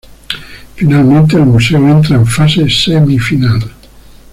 Finalmente el Museo entra en fase semi-final.